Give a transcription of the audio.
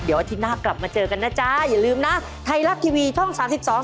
เดี๋ยวอาทิตย์หน้ากลับมาเจอกันนะจ๊ะอย่าลืมนะไทยรัฐทีวีช่องสามสิบสอง